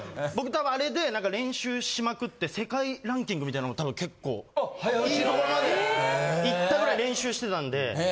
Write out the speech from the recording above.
僕、たぶん、あれで練習しまくって、世界ランキングみたいなのも、たぶん結構いいとこまで行ったくらい練習してたんで。